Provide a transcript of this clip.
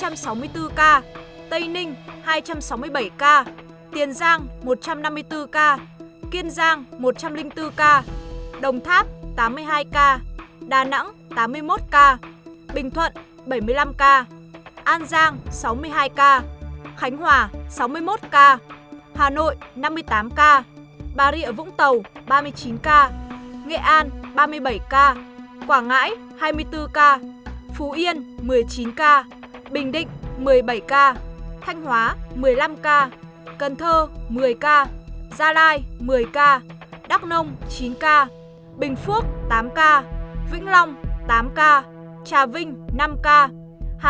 hà nội năm mươi tám ca bà rịa vũng tàu ba mươi chín ca nghệ an ba mươi bảy ca quảng ngãi hai mươi bốn ca phú yên một mươi chín ca bình định một mươi bảy ca thanh hóa một mươi năm ca cần thơ một mươi ca gia lai một mươi ca đắk nông chín ca bình phước tám ca vĩnh long tám ca trà vinh năm ca hà tĩnh năm ca bến tre năm ca cà mau bốn ca hà nội năm mươi tám ca bà rịa vũng tàu ba mươi chín ca nghệ an ba mươi bảy ca quảng ngãi hai mươi bốn ca phú yên một mươi chín ca bình định một mươi bảy ca thành hóa một mươi năm ca cần thơ một mươi ca gia lai một mươi ca đắk nông chín ca bình phước tám ca vĩnh long tám ca trà vinh